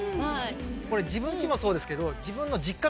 これ自分家もそうですけど。